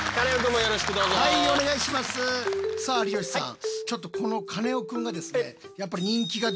さあ有吉さん